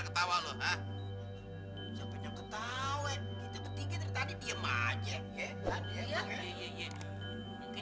hai lo kenal neutral sigh